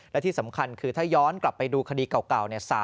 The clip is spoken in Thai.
และที่สำคัญคือถ้าย้อนกลับไปดูคดีเก่า